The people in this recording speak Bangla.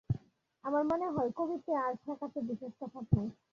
আমার মনে হয়, কবিতে আর বোকাতে বিশেষ তফাত নেই।